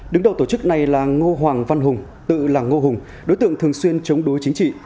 đứng đầu tổ chức này là ngô hoàng văn hùng tự là ngô hùng đối tượng thường xuyên chống đối chính trị